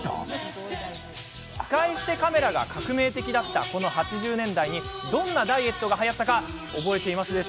使い捨てカメラが革命的だったこの８０年代にどんなダイエットがはやったか覚えていますか？